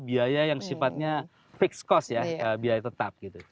biaya yang sifatnya fixed cost ya biaya tetap gitu